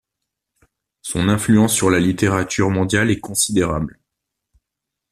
Son influence sur la littérature mondiale est considérable.